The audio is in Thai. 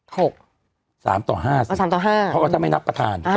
๓ต่อ๕๓ต่อ๕เพราะว่าถ้าไม่นับประธาน